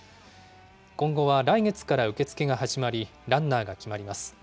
今後は来月から受け付けが始まり、ランナーが決まります。